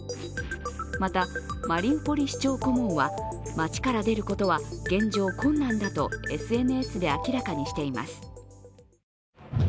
またマリウポリ市長顧問は街から出ることは現状困難だとＳＮＳで明らかにしています。